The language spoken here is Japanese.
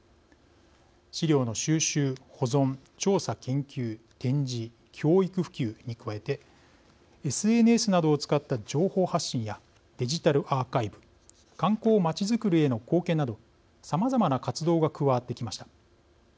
資料の収集、保存、調査研究展示、教育普及に加えてＳＮＳなどを使った情報発信やデジタルアーカイブ観光、まちづくりへの貢献などさまざまな活動が加わってきました。